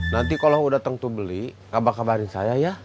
nanti kalau udah tentu beli kabar kabarin saya ya